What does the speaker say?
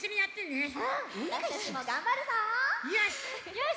よし！